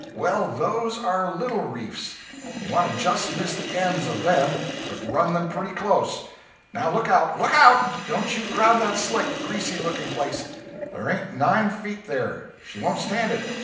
Well, those are little reefs; you want to just miss the ends of them, but run them pretty close. Now look out look out! Don't you crowd that slick, greasy looking place; there ain't nine feet there; she won't stand it.